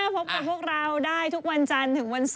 ฟันทง